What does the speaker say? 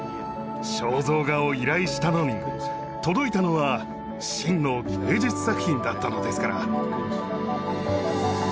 肖像画を依頼したのに届いたのは真の芸術作品だったのですから。